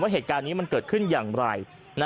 เหตุการณ์นี้มันเกิดขึ้นอย่างไร